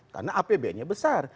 karena apbnnya besar